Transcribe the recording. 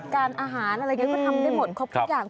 การอาหารอะไรอย่างนี้ก็ทำได้หมดครบทุกอย่าง